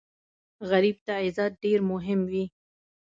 غریب ته عزت ډېر مهم وي